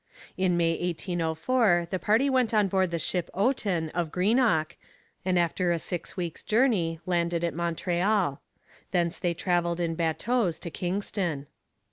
In May 1804 the party went on board the ship Oughton of Greenock, and after a six weeks' journey landed at Montreal. Thence they travelled in bateaux to Kingston.